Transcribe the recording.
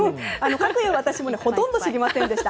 かくいう私もほとんど知りませんでした。